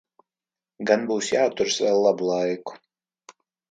Gan būs jāturas vēl labu laiku.